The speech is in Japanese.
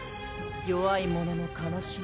弱いものの悲しみ？